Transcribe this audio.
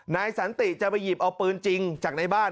นายสันติจะไปหยิบเอาปืนจริงจากในบ้าน